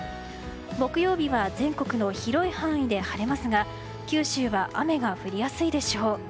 木曜日は全国の広い範囲で晴れますが九州は雨が降りやすいでしょう。